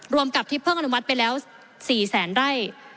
รวมกับที่เพิ่งอนุมัติไปแล้ว๔แสนไร่